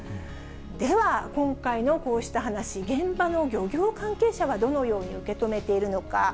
では、今回のこうした話、現場の漁業関係者はどのように受け止めているのか。